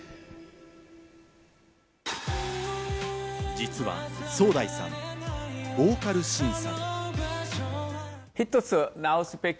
実はソウダイさん、ボーカル審査。